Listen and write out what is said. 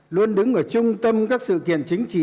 luôn đứng ở trung tâm các sự kiện chính trị